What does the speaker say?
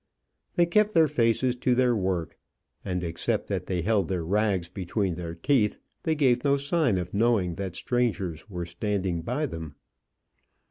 They kept their faces to their work, and except that they held their rags between their teeth, they gave no sign of knowing that strangers were standing by them.